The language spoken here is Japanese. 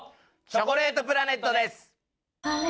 チョコレートプラネットです。